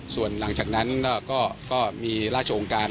ส่วนหลังจากนั้นก็มีราชองค์การ